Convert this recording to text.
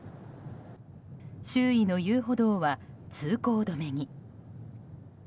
周囲の遊歩道は通行止めに。